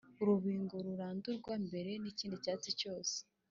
Urubingo rurandurwa mbere y’ikindi cyatsi cyose.